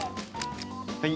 はい。